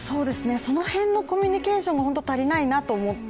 その辺のコミュニケーションも本当に足りないなと思って。